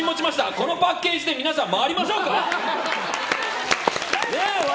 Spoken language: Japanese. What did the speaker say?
このパッケージで皆さん、回りましょうか！笑